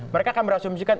mereka akan berasumsikan